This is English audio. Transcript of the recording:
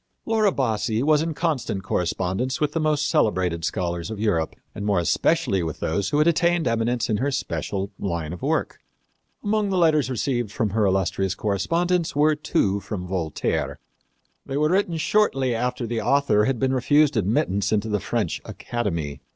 Laura Bassi was in constant correspondence with the most celebrated scholars of Europe, and more especially with those who had attained eminence in her special line of work. Among the letters received from her illustrious correspondents were two from Voltaire. They were written shortly after the author had been refused admittance into the French academy.